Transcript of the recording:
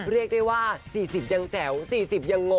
เรียกได้ว่า๔๐ยังแจ๋ว๔๐ยังงง